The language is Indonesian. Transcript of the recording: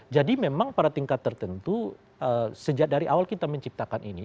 jadi memang pada tingkat tertentu sejak dari awal kita menciptakan ini